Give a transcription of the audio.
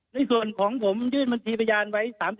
ในส่วนของผมยื่นบัญชีพยานไว้๓๐